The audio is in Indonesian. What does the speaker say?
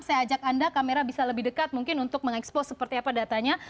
saya ajak anda kamera bisa lebih dekat mungkin untuk mengekspos seperti apa datanya